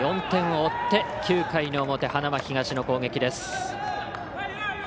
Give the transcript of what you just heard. ４点を追って９回の表、花巻東の攻撃です。